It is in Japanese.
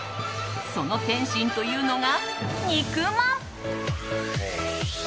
その点心というのが肉まん。